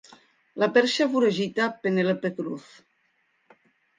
La perxa foragita Penèlope Cruz.